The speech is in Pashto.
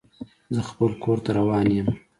زه خپل کور ته روان یم.